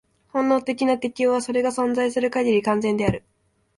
本能的な適応は、それが存在する限り、完全である。